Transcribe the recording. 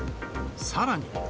さらに。